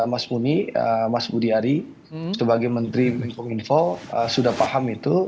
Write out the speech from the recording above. mas muni mas budiari sebagai menteri mencom info sudah paham itu